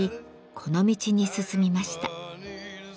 この道に進みました。